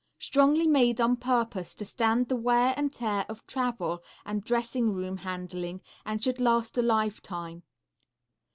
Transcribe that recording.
Strongly made on purpose to stand the wear and tear of travel and dressing room handling, and should last a lifetime.